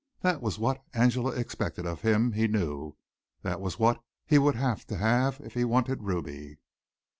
That was what Angela expected of him, he knew. That was what he would have to have if he wanted Ruby.